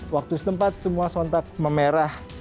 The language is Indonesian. waktu setempat semua sontak memerah